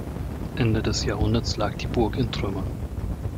Ende des Jahrhunderts lag die Burg in Trümmern.